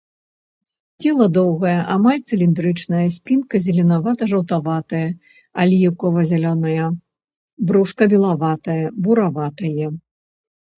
Цела доўгае, амаль цыліндрычнае, спінка зеленавата-жаўтаватая, аліўкава-зялёная, брушка белаватае, бураватае.